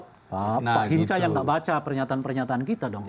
pak hinca yang nggak baca pernyataan pernyataan kita dong